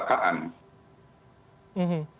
berisiko terjadinya kecelakaan